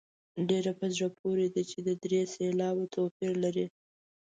ډېره په زړه پورې ده چې درې سېلابه توپیر لري.